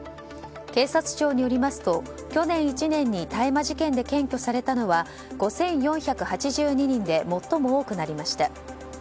警察庁によりますと、去年１年に検挙されたのは５４８２人で最も多くなりました。